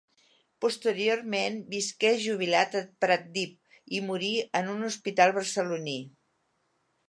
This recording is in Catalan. Posteriorment visqué jubilat a Pratdip, i morí en un hospital barceloní.